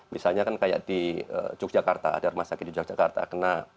misalnya kan kayak di yogyakarta ada rumah sakit di yogyakarta kena